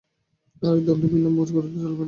আর এক দণ্ডও বিলম্ব করিলে চলিবে না।